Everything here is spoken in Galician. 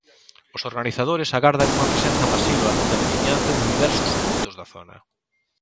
Os organizadores agardan unha presenza masiva da veciñanza de diversos puntos da zona.